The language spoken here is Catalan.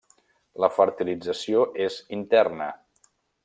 La fertilització és interna.